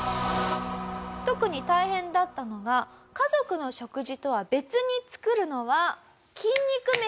特に大変だったのが家族の食事とは別に作るのは筋肉メシでございます。